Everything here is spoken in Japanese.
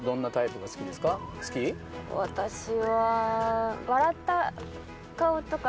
私は。